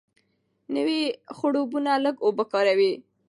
نوې خړوبونه لږه اوبه کاروي.